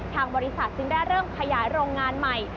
ทางบริษัทจึงได้เริ่มขยายโรงงานใหม่